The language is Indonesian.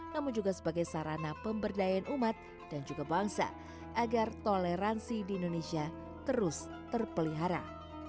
namun juga sebagai sarana pemberdayaan umat dan juga bangsa agar toleransi di indonesia terus terpelihara